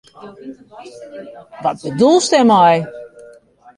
Wat bedoelst dêrmei?